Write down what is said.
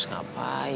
sampai jumpa lagi